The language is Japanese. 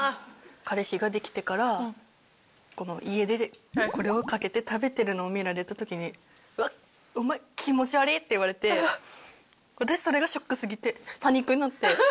彼氏ができてから家でこれをかけて食べてるのを見られた時にうわっお前気持ち悪いって言われて私それがショックすぎてパニックになって。